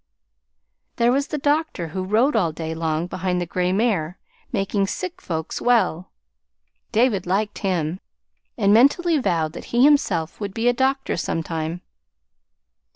There was the doctor who rode all day long behind the gray mare, making sick folks well. David liked him, and mentally vowed that he himself would be a doctor sometime.